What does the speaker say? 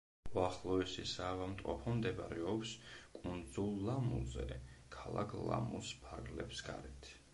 უახლოესი საავადმყოფო მდებარეობს კუნძულ ლამუზე, ქალაქ ლამუს ფარგლებს გარეთ.